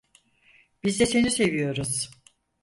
Biz de seni seviyoruz.